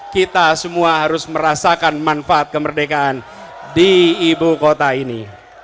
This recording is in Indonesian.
kita semua harus merasakan manfaat kemerdekaan di ibu kota ini